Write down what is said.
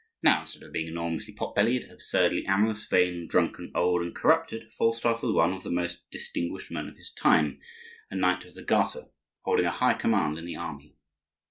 Now, instead of being enormously pot bellied, absurdly amorous, vain, drunken, old, and corrupted, Falstaff was one of the most distinguished men of his time, a Knight of the Garter, holding a high command in the army.